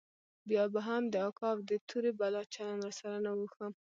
بيا به هم د اکا او د تورې بلا چلند راسره نه و ښه.